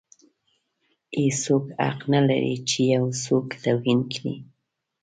هیڅوک حق نه لري چې یو څوک توهین کړي.